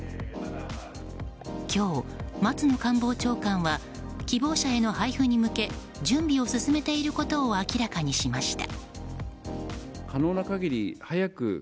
今日、松野官房長官は希望者への配布に向け準備を進めていることを明らかにしました。